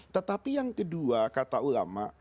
tetapi yang kedua kata ulama